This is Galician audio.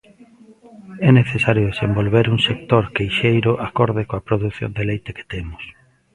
É necesario desenvolver un sector queixeiro acorde coa produción de leite que temos.